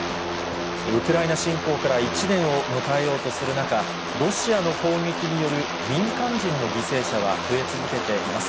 ウクライナ侵攻から１年を迎えようとする中、ロシアの攻撃による民間人の犠牲者は増え続けています。